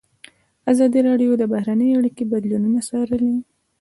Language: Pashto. ازادي راډیو د بهرنۍ اړیکې بدلونونه څارلي.